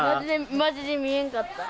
まじで見えんかった。